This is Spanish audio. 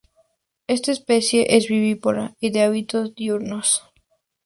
Esta especie es vivípara y de hábitos diurnos.